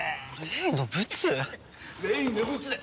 例のブツだ。